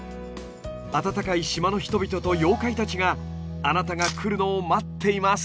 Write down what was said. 温かい島の人々と妖怪たちがあなたが来るのを待っています。